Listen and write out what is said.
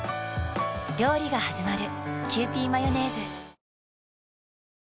料理がはじまる。